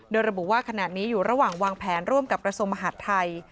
โดยระบุว่าขณะนี้อยู่ระหว่างวางแผนร่วมกับกระทรวงมหาดไทย